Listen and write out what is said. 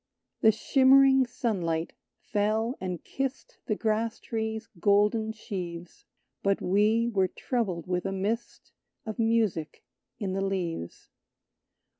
The shimmering sunlight fell and kissed The grasstree's golden sheaves; But we were troubled with a mist Of music in the leaves.